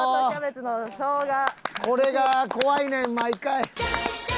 これが怖いねん毎回。